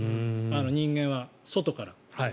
人間は、外から。